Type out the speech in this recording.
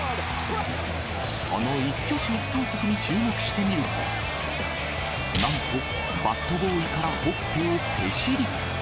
その一挙手一投足に注目してみると、なんと、バットボーイからほっぺをぺしり。